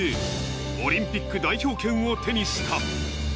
オリンピック代表権を手にした。